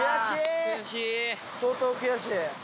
相当悔しい。